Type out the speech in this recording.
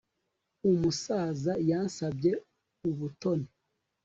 Umusaza yansabye ubutoni